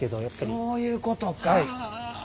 そういうことか。